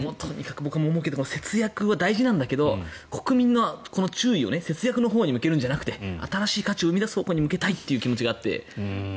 節約は大事なんだけど国民のこの注意を節約のほうに向けるんじゃなくて新しい価値を生み出す方向に向けたいということがあって。